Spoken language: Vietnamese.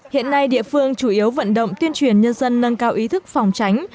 hiện nay địa phương chủ yếu vận động tuyên truyền nhân dân nâng cao ý thức phòng tránh